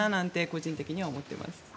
個人的には思ってます。